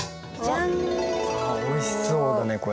あっおいしそうだねこれ。